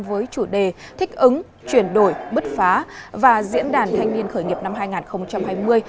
với chủ đề thích ứng chuyển đổi bứt phá và diễn đàn thanh niên khởi nghiệp năm hai nghìn hai mươi